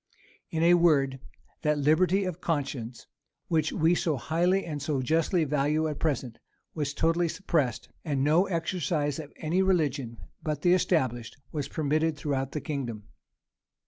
In a word, that liberty of conscience, which we so highly and so justly value at present, was totally suppressed; and no exercise of any religion but the established, was permitted throughout the kingdom.